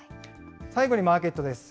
最後にマーケットです。